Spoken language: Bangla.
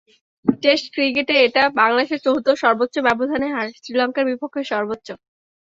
টেস্ট ক্রিকেটে এটা বাংলাদেশের চতুর্থ সর্বোচ্চ ব্যবধানে হার, শ্রীলঙ্কার বিপক্ষে সর্বোচ্চ।